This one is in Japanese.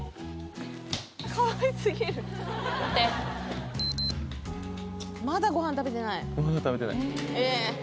かわいすぎる待ってまだご飯食べてない！